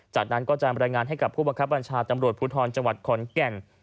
จากนั้นก็จะบรรยายงานให้กับผู้บังคับบัญชาตำรวจภูทรจังหวัดขอนแก่น